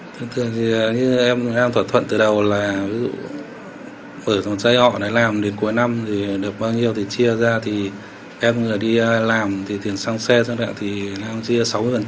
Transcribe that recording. thường thường thì em thỏa thuận từ đầu là ví dụ mở một dây họ này làm đến cuối năm thì được bao nhiêu thì chia ra thì em người đi làm thì tiền sang xe sau đó thì em chia sáu mươi